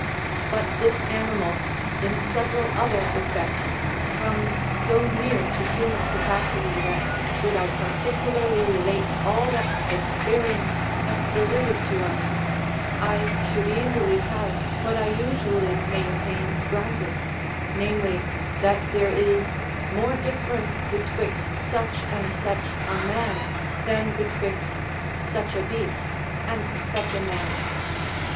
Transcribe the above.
But this animal, in several other effects, comes so near to human capacity that, should I particularly relate all that experience hath delivered to us, I should easily have what I usually maintain granted: namely, that there is more difference betwixt such and such a man than betwixt such a beast and such a man.